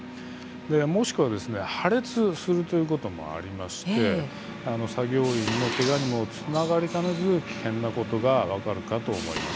もしくは破裂するようなこともありまして作業員のけがにもつながりかねず危険だということが分かります。